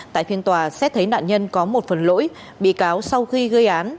tại phiên tòa xét thấy nạn nhân có một phần lỗi bị cáo sau khi gây án